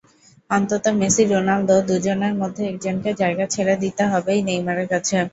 অন্তত মেসি-রোনালদো দুজনের মধ্যে একজনকে জায়গা ছেড়ে দিতে হবেই নেইমারের কাছে।